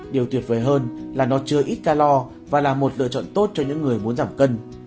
điều tuyệt vời hơn là nó chưa ít calor và là một lựa chọn tốt cho những người muốn giảm cân